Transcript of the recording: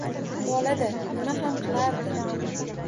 Bolada, nima ham qilardi